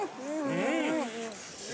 うん。